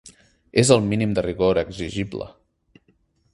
És el mínim de rigor exigible.